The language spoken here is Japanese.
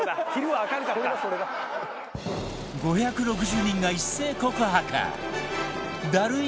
５６０人が一斉告白ダルい